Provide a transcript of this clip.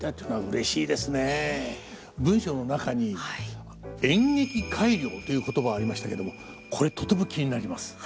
文章の中に「演劇改良」という言葉ありましたけどもこれとても気になります。